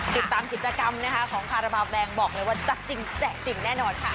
ติดตามกิจกรรมนะคะของคาราบาลแดงบอกเลยว่าจัดจริงแจกจริงแน่นอนค่ะ